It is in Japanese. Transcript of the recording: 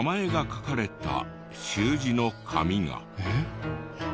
えっ？